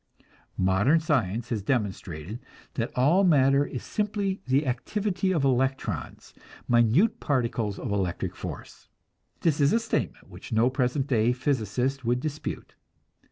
Modern science has demonstrated that all matter is simply the activity of electrons, minute particles of electric force. This is a statement which no present day physicist would dispute.